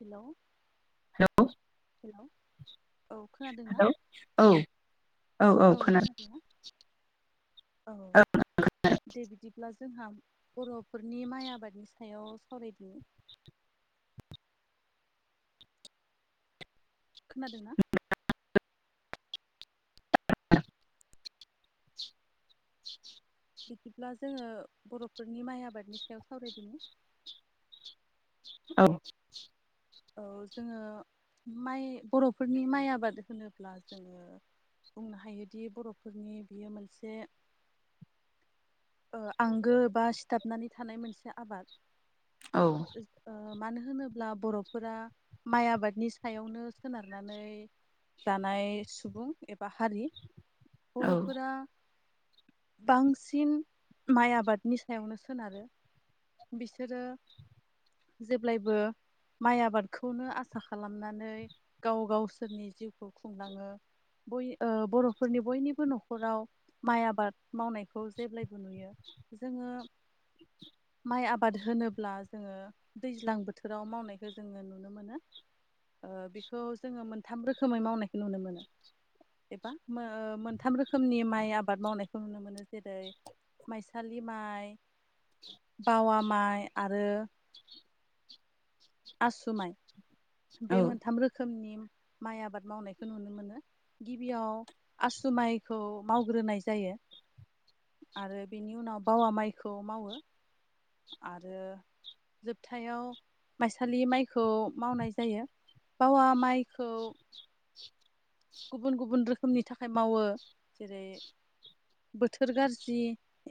Hello hello hello औ खोनादोंना औ औ खोनादोंना? औ दे बिदिब्ला जोंहा बर'फोरनि माइ आबादनि सायाव सावरायदों। खोनादों ना? बिदिब्ला जोङो बर'फोरनि माइ आबादनि सायाव सावरायदोनि। औ। औ जोङो माइ बर'फोरनि माइ आबाद होनोब्ला जोङो बुंनो हायोदि बर'फोरनि बियो मोनसे ओ आंगो बा सिथाबनानै थानाय मोनसे आबाद। औ ओ। मानो होनोब्ला बर'फोरा माइ आबादनि सायावनो सोनारनानै जानाय सुबुं एबा हारि। औ बर'फोरा बांसिन माइ आबादनि सायावनो सोनारो बिसोरो जेब्लायबो माइ आबादखौनो आसा खालामनानै गाव गावसोरनि जिउखौ खुंलाङो बय ओ बर'फोरनि बयनिबो न'खराव माइ आबाद मावनायखौ जेब्लाय बोनुयो जोङो माइ आबाद होनोब्ला जोङो दैज्लां बोथोराव मावनायखौ जोङो नुनो मोनो ओ बेखौ जोङो मोनथाम रोखोमै मावनायखौ नुनो मोनो एबा मोनथाम रोखोमनि माइ आबाद मावनायखौ नुनो मोनो जेरै माइसालि माइ, बावा माइ आरो आसु माइ। औ बे मोनथाम रो खोमनि माइ आबाद मावनायखौ नुनो मोनो गिबियाव आसु माइखौ मावग्रोनाय जायो आरो बेनि उनाव बावा माइखौ मावो आरो जोबथायाव माइसालि माइखौ मावनाय जायो। बावा माइखौ गुबुन गुबुन रोखोमनि थाखाय मावो जेरै बोथोर गाज्रि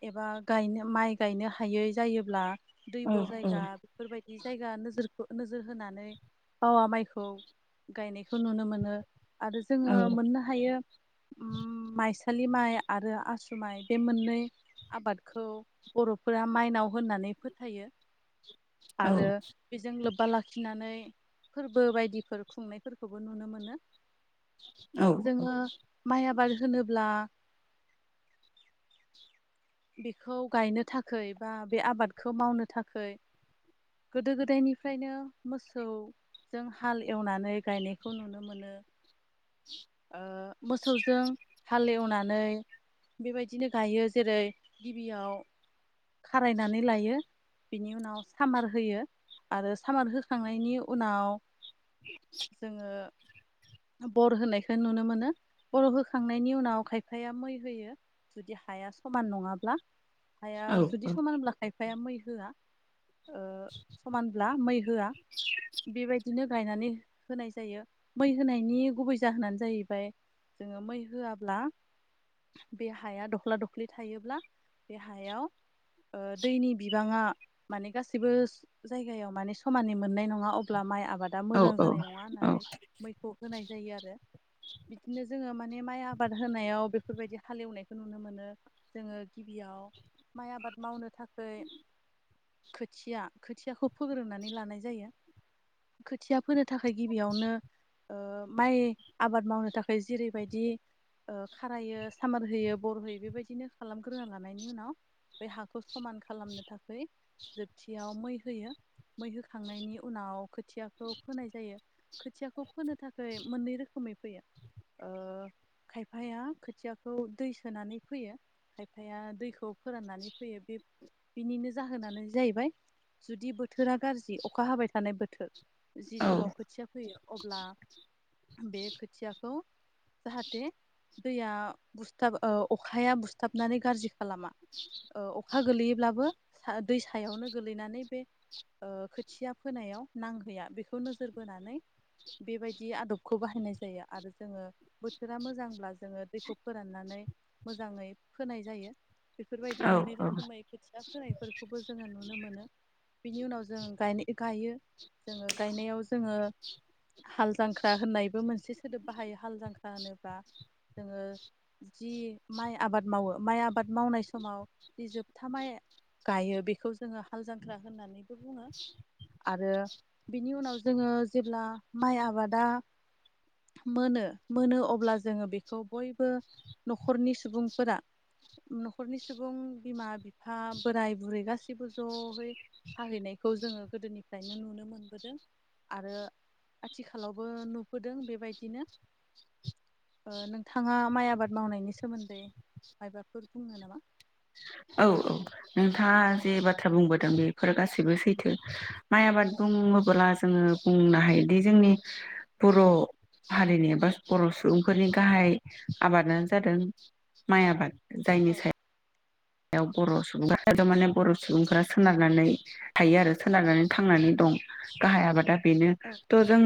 एबा गायनो माइ गायनो हायै जायोब्ला औ दैब' जायगा बेफोरबायदि बे जायगा नोजोरखौ नोजोर होनानै बावा माइखौ गायनायखौ नुनो मोनो आरो औ जोङो मोननो हायो माइसालि माइ आरो आसु माइ बे मोननै आबादखौ बर'फोरा माइनाव होननानै फोथायो। औ आरो बेजों लोब लोब्बा लाखिनानै फोरबो बायदिफोर खुंनायफोरखौबो नुनो मोनो। जोङो माइ आबाद होनोब्ला बेखौ गायनो थाखाय बा बे आबादखौ मावनो थाखाय गोदो गोदायनिफ्रायनो मोसौजों हाल एवनानै गायनायखौ नुनो मोनो। ओ मोसौजों हालेवनानै बेबायदिनो गायो जेरै गिबियाव खारायनानै लायो बेनि उनाव सामार होयो आरो सामार होखांनायनि उनाव जोङो बर होनायखौ नुनो मोनो बर होखांनायनि उनाव खायफाया मै होयो जुदि हाया समान नङाब्ला। हाया जुदि समान होनब्ला खायफाया मै होया ओ समानब्ला मै होआ बेबायदिनो गायनानै होनाय जायो मै होनायनि गुबै जाहोनानो जाहैबाय जोङो मै होआब्ला बे हाया दख्ला दख्लि थायोब्ला बे हायाव दैनि बिबाङा माने गासिबो जायगायाव माने समानै मोननाय नङा अब्ला माइ आ आबादा मोजां जानाय नङा होननानै मै होनाय जायो आरो बिदिनो जोङो माने माइ आबाद होनायाव बेफोरबायदि हालेवनायखौ नुनो मोनो जोङो गिबियाव माइ आबाद मावनो थाखाय खै खोथिया खोथियाखौ फोग्रोनानै लानाय जायो खोथिया फोनो थाखाय गिबियावनो ओ माइ आबाद मावनो थाखाय जेरैबायदि ओ खारायो सामार होयो बर होयो बेबायदिनो खालामग्रोना लानायनि उनाव बे हाखौ समान खालामनो थाखाय जोबथियाव मै होयो। मै होखांनायनि उनाव खोथियाखौ फोनाय जायो। खोथियाखौ फोनो थाखाय मोननै रोखोमै फैयो ओ खायफाया खोथियाखौ दै सोनानै फैयो खायफाया दैखौ फोराननानै फैयो बे बिनिनो जाहोनानो जाहैबाय जुदि बोथोरा गाज्रि अखा हाबाय थानाय बोथोर जि औ समाव खोथिया फोयो अब्ला बे खोथियाखौ जाहाथे दैया बुस्थाब अखाया बुस्थाबनानै गाज्रि खालामा अखा गोलैयोब्लाबो दै सायावनो गोलैनानै बे खोथिया फोनायाव नांहैया बेखौ नोजोर बोनानै बेबायदि आदबखौ बाहायनाय जायो आरो जोङो बोथोरा मोजांब्ला जोङो दैखौ फोराननानै मोजाङै फोनाय जायो बेफोरबायदि औ मोननै औ रोखोमै खोथिया होनायफोरखौबो जोङो नुनो मोनो बिनि उनाव जों गायो जोङो गायनायाव जोङो हाल जांख्रा होननायबो मोनसे सोदोब बाहायो हाल जांख्रा होनोब्ला जोङो जि माइ आबाद मावो माइ आबाद मावनाय समाव जि जोबथा माइ गायो बेखौ जोङो हाल जांख्रा होननानैबो बुङो आरो बिनि उनाव जोङो जेब्ला माइ आबादा मोनो मोनो अब्ला जोङो बेखौ बयबो न'खरनि सुबुंफोरा न'खरनि सुबुं बिमा बिफा बोराय बुरै गाससिबो जयै फाहैनायखौ जोङो गोदोनिफ्रायनो नुनो मोनबोदों आरो आथिखालावबो नुबोदों बेबायदिनो नोंथांङा माइ आबाद मावनायनि सोमोन्दै माइबाफोर बुंनो नामा औ औ नोंथांङा जे बाथ्रा बुंगोन बेफोर गासैबो सैथो माइ आबाद बुङोब्ला जोंङो बुंनो हायोदि जोंनि बर' हारिनि एबा बर' सुबुंफोरनि गाहाय आबादानो जादों माइ आबाद औ जायनि सायाव याव बर' सुबुंफमाने बर' सुबुंफोरा सोनारनानै थायो आरो सोनारनानै थांनानै दं गाहाय आबादा बेनो औ थ' जों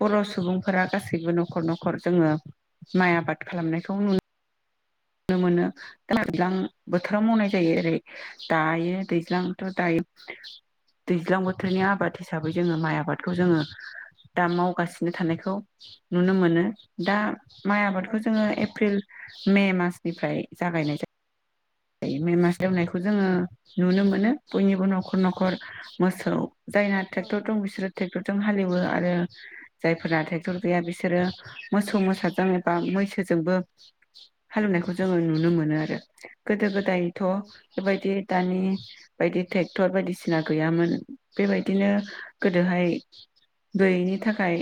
बर' सुबुंफोरा गासैबो न'खर न'खर जोङो माइ आबाद खालामनायखौ नुनो नु मोनो औ बोथोराव मावनाय जायो ओरै दायो दैज्लांथ' दायो दैज्लां बोथोरनि आबाद हिसाबै जोङो माइ आबादखौ जोंङो दा मावगासिनो थानायखौ नुनो मोनो दा माइ औ आबादखौ जोंङो एप्रिल मे मास निफ्राय जागायनाय जायो मे मास एवनायखौ जोङो नुनो मोनो बयनिबो न'खर न'खर मोसौ जायना औ टेक्रथर दं बिसोरो ट्रेक्टरजों हालेवो आरो जायफोरा ट्रेक्टर गैया बिसोरो मोसौ मोसाजों एबा मैसोजोंबो हालेवनायखौ जोंङो नुनो मोनो आरो गोदो गोदाय औ दायोथ' बेबायदि दानि बायदि ट्रेक्टर बायदिसिना गैयामोन बेबायदिनो गोदोहाय गयैनि थाखाय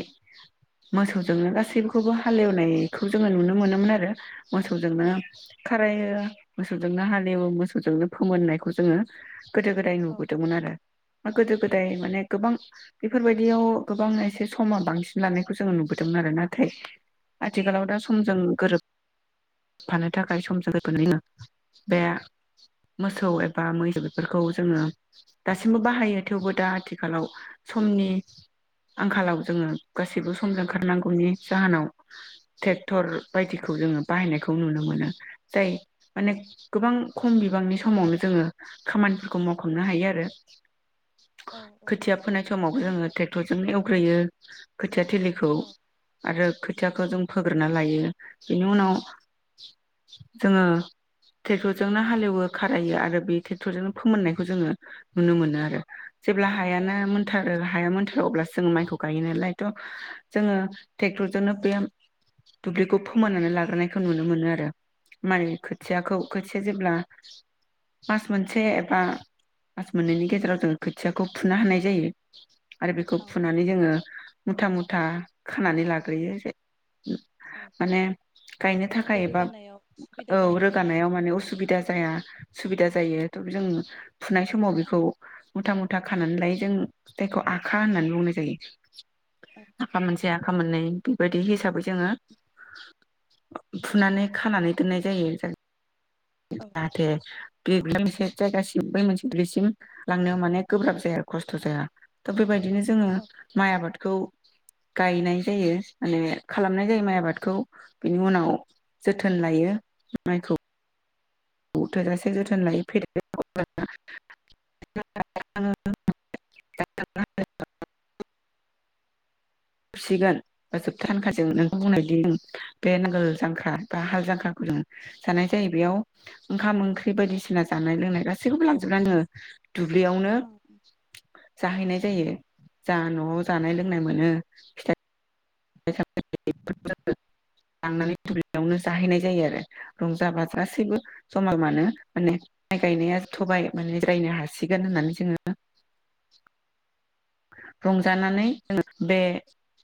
मोसौजोंनो गासैखौबो हालेवनायखौ जोंङो नुनो मोनोमोन आरो औ मोसौजोंनो खारायो मोसौजोंनो हालेवो मोसौजोंनो फोमोननायखौ जोंङो गोदो गोदाय नुबोदोंमोन आरो बा गोदो गोदाय माने गोबां बेफोरबायदियाव गोबां एसे समा बांसिन लानायखौ जोंङो नुबोदोंमोन आरो नाथाय औ आथिखालाव दा समजों गोरोब फानो थाखाय समजों लोगोसे बे मोसौ एबा मैसौ बेफोरखौ जोङो दासिमबो बाहायो थेवबो दा आथिखालाव समनि आंखालाव जोंङो गासैबो समजों ओंखारनांगौनि जाहोनाव ट्रेक्टर बायदिखौ जोङो बाहायनायखौ नुनो मोनो जाय माने गोबां खम बिबांनि समावनो जोङो खामानिफोरखौ मावखांनो हायो आरो खोथिया फोनाय समाव जो़ङो जों एवग्रोयो। खोथिया थलिखौ आरो खोथियाखौ जों फोग्रोनना लायो बेनि उनाव जोङो ट्रेक्टरजोंनो हालेवो खारायो आरो बे ट्रेक्टरजोंनो फोमोननायखौ जोङो नुनो मोनो आरो जेब्ला औ हायाना मोनथारो हाया मोनथार अब्लासो जोंङो माइखौ गायो नालाय थ' जोङो ट्रेक्टरजोंनो बे दुब्लिखौ फोमोननानै लाग्रोनायखौ नुनो मोनो आरो माने खोथियाखौ खोथिया जेब्ला मास मोनसे एबा मास मोननैनि गेजेराव जोंङो खोथियाखौ फुनो हानाय जायो। आरो बेखौ औ फुनानै जोङो मुथा मुथा खानानै लाग्रोयो जे [unintelligible] औ माने गायनो जाहाथे थाखाय एबा रोगानायाव सुबिदा औ जानाय बायदि रोगानायाव माने असुबिदा जाया। सुबिदा जायो औ जों फुनाय समाव बे खौ मुथा मुथा खानानै लायो जों जायखौ आखा होननानै बुंनाय जायो। औ आखा मोनसे आखा मोननै। बेबायदि हिसाबै जोङो फुनानै खानानै दोननाय जायो। [unintelligible] औ जाहाथे बे मोनसे जायगासिम बै मोनसे दुब्लिसिम लांनायाव माने गोब्राब जाया खस्थ' औ जाया थ' बेबायदिनो जोङो औ औ माइ आबादखौ गायनाय जायो माने खालामनाय जायो माइ आबादखौ बिनि उनाव जोथोन लायो। माइखौ थोजासे जोथोन लायो फैदेरो [unintelligible] हासिगोन। औ जोबथा होनखा जों नों बुंनायदि बे नांगोल जांख्रा बा हाल जांख्राखौ जों जानाय जायो बेयाव ओंखाम ओंख्रि बायदिसिना जानाय लोंनाय गासै सैखौबो लांजोबनाङो दुब्लियावनो जाहैनाय जायो जा न'आव जानाय लोंनाय मोनो फिथाय [unintelligible] लांनानै दुब्लियावनो जाहैनाय जायो आरो रंजाबा गासैबो। जमा जमानो माने माइ गायनाया थबाय माने जायनो हासिगोन होननानै जोङो। रंजानानै जोङो बे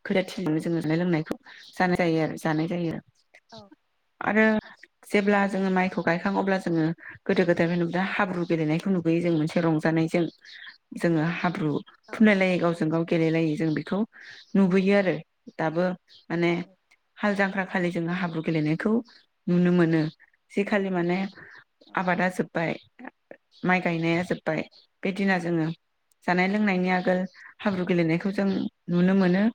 खोदाथिनजोंनो जोङो जानाय लोंनायखौ जानाय जायो आरो जानाय जायो औ आरो आरो औ जेब्ला जोङो माइखौ गायखाङो अब्ला जों जोङो गोदो गोदायनिफ्राय हाब्रु गेलेनायखौ नुबोयो जों मोनसे रंजानायजों जोङो हाब्रु औ फुनलाय लायो गावजों गाव गेलेलायो जों बेखौ नुबोयो आरो दाबो माने हाल जांख्रा खालि जोङो हाब्रु गेलेनायखौ नुनो मोनो जेखालि माने आबादा जोफबाय माइ गायनाया जोब्बाय बेदिना जोङो जानाय लोंनायनि आरो। आगोल हाब्रु गेलेनायखौ जों नुनो मोनो।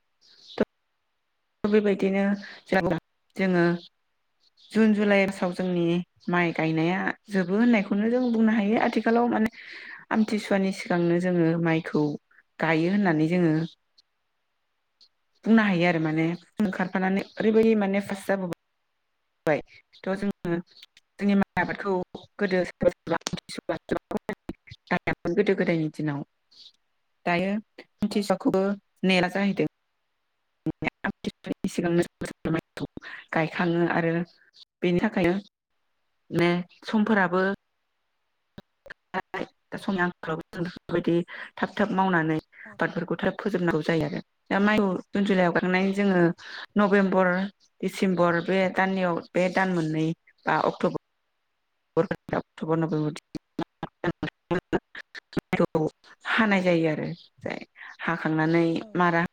बेबायदिनो जों जोङो जुन जुलाइ मासाव जोंनि माइ गायनाया जोबो होननायखौनो जों बुंनो हायो आथिखालाव माने आमथिसुवानि सिगांनो जोङो माइखौ गायो होननानै जोङो बुंनो हायो आरो। माने। ओंखारफानानै ओरैबायदि माने [inaudible] हमबाय थ जोङो जोंनि माइ आबादखौ गोदो सोरबा सोरबा आमथिसुवानि सिगां गायामोन गोदो गोदायनि दिनाव दायो। दानिया आमथिसुवाखौबो नेला जाहैदों। दानिया आमथिसुवानि सिगांनो माइखौ गायखाङो आरो बेनि थाखायनो माने समफोराबो। दा समनि आंखालाव जों बेफोरबायदि थाब थाब। मावनानै आबादफोरखौ थाब फोजोबनांगौ। जायो आरो दा माइखौ। जुन जुलायाव गायखांनानै जोङो नभेम्बर। दिडिसेम्बर बे दानैयाव बे दान मोननै बा अक्टबर। अक्टबर नभेम्बर दिसिमबर हानाय जायो आरो। हाखांनानै मारा। [inaudible]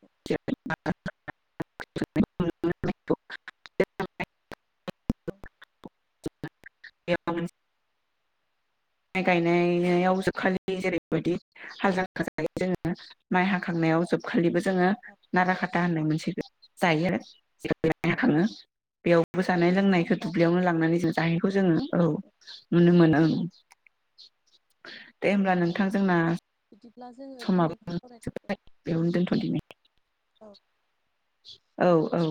[inaudible] माइ गायनायाव जोबखालि खालि जेरैबायदि। हाल जांख्रा जायो जोंङो माइ हाखांनायाव जोबखालिबो जोंङो नाराकाथा होननाय मोनसे। जायो आरो बेयावनो थाङो बेयावबो जानाय खासि लोंनायखौ जांख्रा दुब्लियावनो लांनानै जों जाहैयो। खौ जोङो। औ नुनो मोनो ओं। दे होमब्ला नोंथां जोंना। होनब्ला जोङो दिनैनि समाबो सावरायनायखौ जोब्बाय बेयावनो दोनथसै दोनथ'दिनि औ। औ औ।